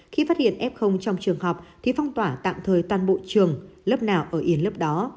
khi phát hiện f trong trường học thì phong tỏa tạm thời toàn bộ trường lớp nào ở yên lớp đó